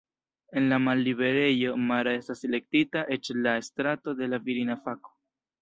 En la malliberejo Mara estis elektita eĉ la estraro de la virina fako.